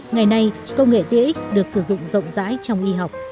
ngày nay công nghệ tia x được sử dụng rộng rãi trong y học